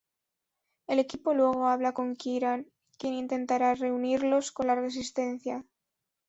El equipo luego habla con Kieran, quien intentara reunirlos con la resistencia.